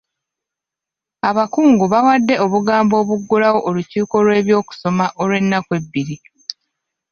Abakungu bawadde obugambo obuggulawo olukiiko lw'ebyokusoma olw'ennaku ebbiri.